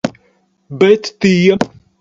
Bet tie